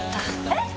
えっ！！